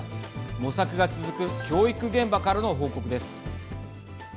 模索が続く教育現場からの報告です。